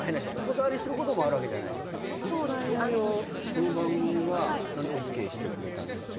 この番組は何でＯＫしてくれたんですか？